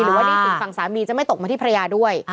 หรือว่าหนี้สินของฝั่งสามีจะไม่ตกมาที่ฝรรยาด้วย